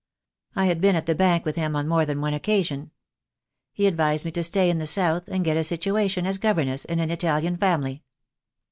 I had been at the bank with him on more than one occasion. He advised me to stay in the South, and get a situation as governess in an Italian family.